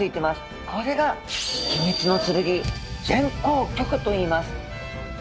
これが秘密の剣前向棘といいます。